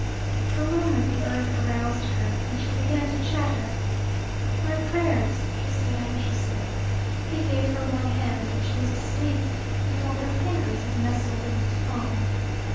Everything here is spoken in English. For a moment the earth aroused her, and she began to chatter. "My prayers " she said anxiously. He gave her one hand, and she was asleep before her fingers had nestled in its palm.